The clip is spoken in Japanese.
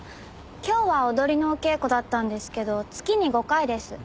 今日は踊りのお稽古だったんですけど月に５回です。